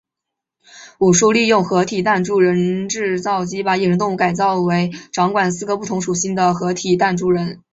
武殊利用合体弹珠人制造机把野生动物改造成为掌管四个不同属性的合体弹珠人。